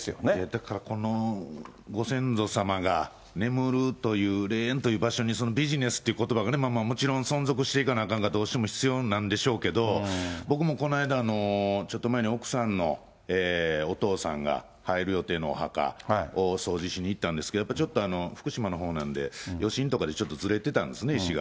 だから、このご先祖様が眠るという霊園という場所に、そのビジネスってことばがね、もちろん存続していかなあかんから、どうしても必要なんでしょうけど、僕もこの間、ちょっと前に奥さんのお父さんが入る予定のお墓を掃除しに行ったんですけど、ちょっと福島のほうなんで余震とかでちょっとずれてたんですね、石が。